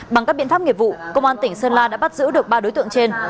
bằng các biện pháp nghiệp vụ công an tỉnh sơn la đã bắt giữ được ba đối tượng trên